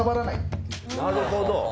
なるほど。